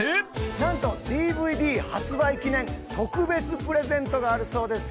なんとＤＶＤ発売記念特別プレゼントがあるそうです。